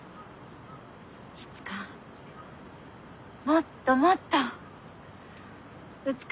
いつかもっともっと美しい場所へ。